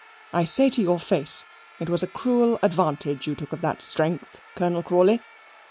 I say to your face; it was a cruel advantage you took of that strength, Colonel Crawley.